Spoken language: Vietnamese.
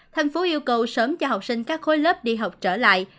thành phố yêu cầu sớm cho học sinh các khối lớp đi học trở lại